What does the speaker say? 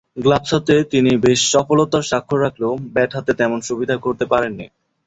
Gloves হাতে তিনি বেশ সফলতার স্বাক্ষর রাখলেও ব্যাট হাতে তেমন সুবিধে করতে পারেননি।